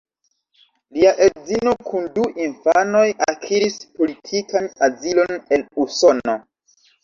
Lia edzino kun du infanoj akiris politikan azilon en Usono.